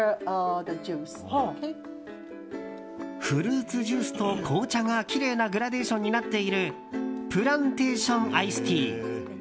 フルーツジュースと紅茶がきれいなグラデーションになっているプランテーションアイスティー。